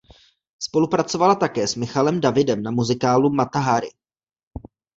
Spolupracovala také s Michalem Davidem na muzikálu "Mata Hari".